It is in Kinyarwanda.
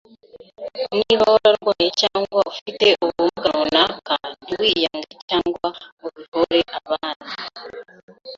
niba wararwaye cyangwa ufite ubumuga runaka ntiwiyange cyangwa ubihore abanda